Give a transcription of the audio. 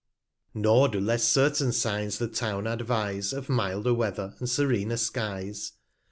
Nor do less certain Signs the Town advise, Of milder Weather, and serener Skies.